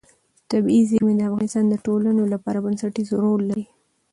طبیعي زیرمې د افغانستان د ټولنې لپاره بنسټيز رول لري.